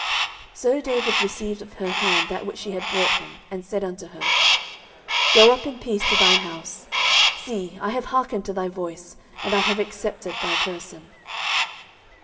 09:025:035 So David received of her hand that which she had brought him, and said unto her, Go up in peace to thine house; see, I have hearkened to thy voice, and have accepted thy person.